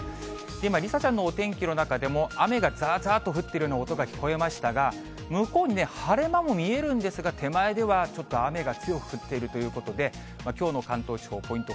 今、梨紗ちゃんのお天気の中でも、雨がざーざーと降ってるような音が聞こえましたが、向こうに晴れ間も見えるんですが、手前ではちょっと雨が強く降っているということで、きょうの関東地方、ポイント